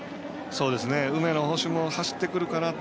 梅野捕手も走ってくるかなと。